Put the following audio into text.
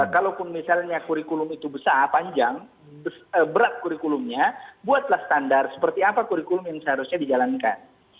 kalaupun misalnya kurikulum itu besar panjang berat kurikulumnya buatlah standar seperti apa kurikulum yang seharusnya dijalankan